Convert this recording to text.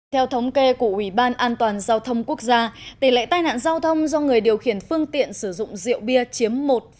theo thống kê của ủy ban an toàn giao thông quốc gia tỷ lệ tai nạn giao thông do người điều khiển phương tiện sử dụng rượu bia chiếm một ba